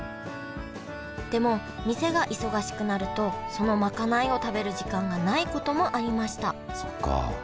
でも店が忙しくなるとその賄いを食べる時間がないこともありました